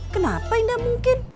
kenapa tidak mungkin